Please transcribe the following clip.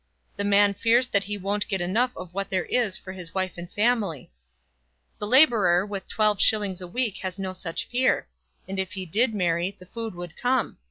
"The man fears that he won't get enough of what there is for his wife and family." "The labourer with twelve shillings a week has no such fear. And if he did marry, the food would come.